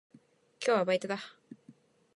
今日はバイトだ。